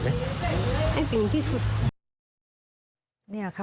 ไหม